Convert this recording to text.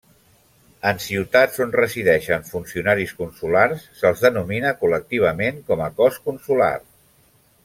En ciutats on resideixen funcionaris consulars, se'ls denomina col·lectivament com a cos consular.